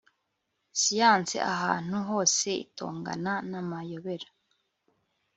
Siyanse ahantu hose itongana namayobera